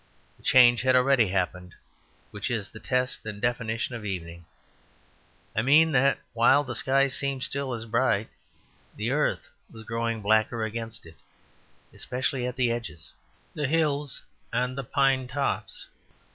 The change had already happened which is the test and definition of evening. I mean that while the sky seemed still as bright, the earth was growing blacker against it, especially at the edges, the hills and the pine tops.